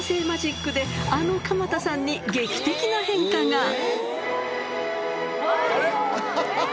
マジックであの鎌田さんに劇的な変化が。